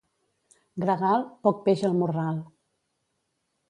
Gregal, poc peix al morral.